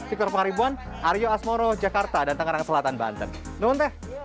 sikter pengaribuan aryo asmoro jakarta dan tenggerang selatan banten